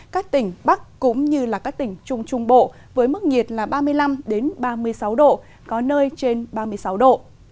các tỉnh bắc cũng như các tỉnh trung trung bộ với mức nhiệt là ba mươi năm ba mươi sáu độ có nơi trên ba mươi sáu độ